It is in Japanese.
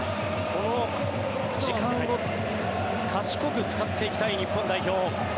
この時間を賢く使っていきたい日本代表。